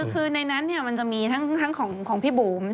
คือในนั้นมันจะมีทั้งของพี่บุ๋ม